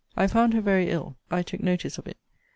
I found her very ill. I took notice of it.